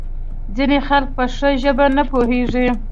ځینې خلک په ښه ژبه نه پوهیږي.